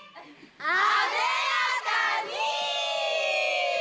艶やかに！